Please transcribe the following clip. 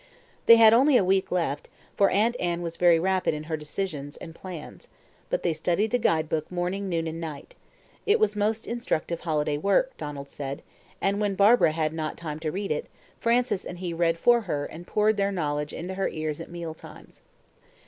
They had only a week left, for Aunt Anne was very rapid in her decisions and plans; but they studied the guide book morning, noon, and night. It was most instructive holiday work, Donald said, and when Barbara had not time to read it, Frances and he read for her and poured their knowledge into her ears at meal times.